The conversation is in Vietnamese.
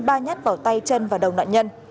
ba nhát vào tay chân và đầu nạn nhân